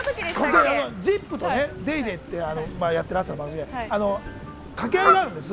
「ＺＩＰ！」と「ＤａｙＤａｙ．」っていう朝の番組で掛け合いがあるんです。